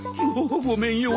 ごめんよ。